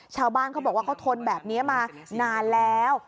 ชาวบ้านเขาบอกว่าเขาทนแบบนี้มานานแล้ว